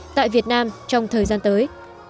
tại việt nam trong thời gian tới